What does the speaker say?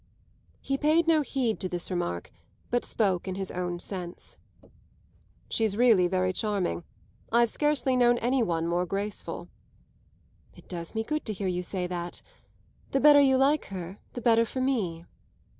He paid no heed to this remark, but spoke in his own sense. "She's really very charming. I've scarcely known any one more graceful." "It does me good to hear you say that. The better you like her the better for me."